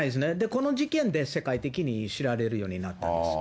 この事件で世界的に知られるようになったんです。